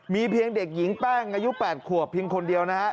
มีเพียงเด็กหญิงแป้งอายุ๘ขวบเพียงคนเดียวนะฮะ